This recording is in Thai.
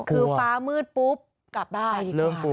คือฟ้ามืดปุ๊บกลับบ้าน